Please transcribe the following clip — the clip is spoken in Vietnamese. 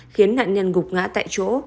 khiến nạn nhân gục ngã tại chỗ